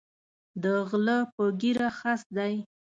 د غلۀ پۀ ږیره خس دی